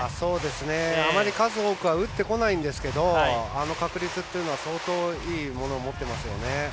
あまり数多くは打ってこないんですけどあの確率というのは相当いいものを持ってますよね。